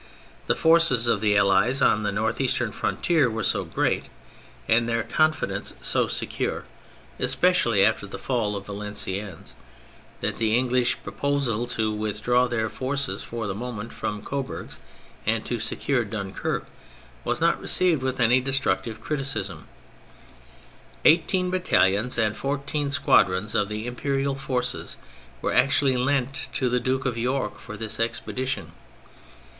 The forces of the Allies on the north eastern frontier were so great and their confidence 186 THE FRENCH REVOLUTION so secure — especially after the fall of Valen ciennes — that the English proposal to with draw their forces for the moment from Coburg's and to secure Dunquerque, was not received with any destructive criticism. Eighteen battalions and fourteen squadrons of the Im perial forces were actually lent to the Duke of York for this expedition.